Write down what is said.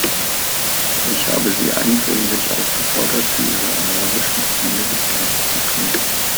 Ich habe sie eindringlich aufgefordert, für ihre arabischen Freunde das Gleiche zu tun.